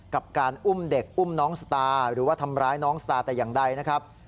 กับการอุ้มเด็กอุ้มน้องสตาร์หรือว่าทำร้ายน้องสตาร์แต่อย่างใดนะครับ